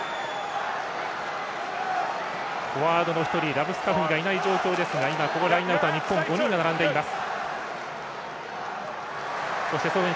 フォワードの１人ラブスカフニがいない状況ですがラインアウトは日本は５人が並んでいます。